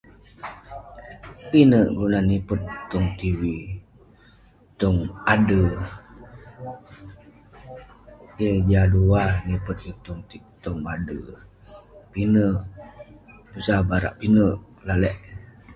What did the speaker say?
Pinek kelunan nipert tong tv ,tong ade'r, yeng jah duah nipert kik tong ,tong ade'r..pinek..tusah akeuk barak..pinek alek.